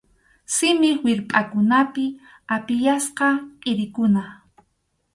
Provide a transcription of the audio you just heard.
Simip wirpʼankunapi apiyasqa kʼirikuna.